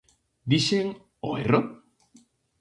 Dixen "o erro"?